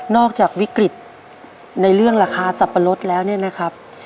จากวิกฤตในเรื่องราคาสับปะรดแล้วเนี่ยนะครับ